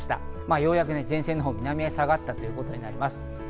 ようやく前線が南の方に下がったということになります。